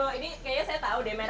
harganya berapa sih gus imin